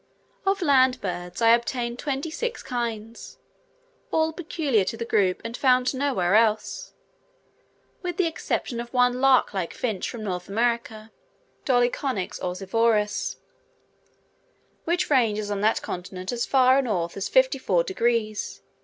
Of land birds I obtained twenty six kinds, all peculiar to the group and found nowhere else, with the exception of one lark like finch from North America (Dolichonyx oryzivorus), which ranges on that continent as far north as 54 degs.